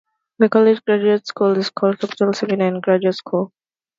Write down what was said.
The college's graduate school is called Capital Seminary and Graduate School.